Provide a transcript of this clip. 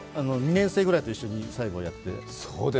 ２年生ぐらいと一緒に最後はやって。